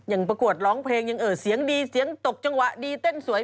ประกวดร้องเพลงยังเสียงดีเสียงตกจังหวะดีเต้นสวย